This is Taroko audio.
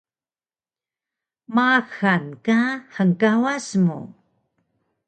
Maxal ka hngkawas mu